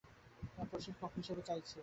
প্রশিক্ষক হিসাবে চাইছি।